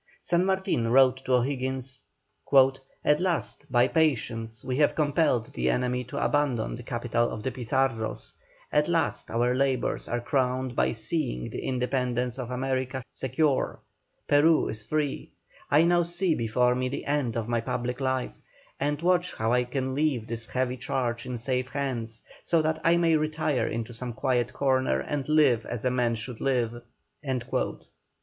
San Martin wrote to O'Higgins: "At last, by patience, we have compelled the enemy to abandon the capital of the Pizarros; at last our labours are crowned by seeing the independence of America secure Peru is free I now see before me the end of my public life, and watch how I can leave this heavy charge in safe hands, so that I may retire into some quiet corner and live as a man should live."